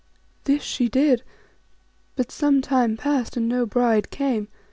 This she did, but some time passed and no bride came.